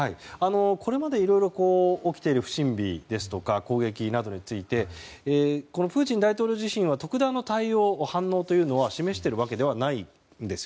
これまでいろいろ起きている不審火ですとか攻撃などについてプーチン大統領自身は特段の対応、反応を示しているわけではないんです。